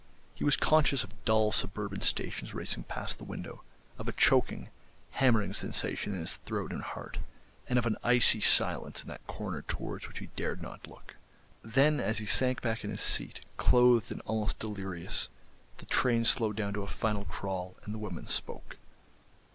He was conscious of dull surburban stations racing past the window, of a choking, hammering sensation in his throat and heart, and of an icy silence in that corner towards which he dared not look. Then as he sank back in his seat, clothed and almost delirious, the train slowed down to a final crawl, and the woman spoke.